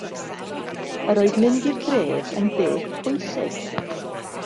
Yr oedd mynd i'r dref yn beth pwysig.